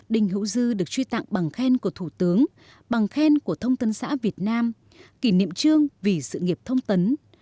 đình hữu dư được truy tặng bằng khen của thủ tướng bằng khen của thông tấn xã việt nam kỷ niệm trương vì sự nghiệp thông tấn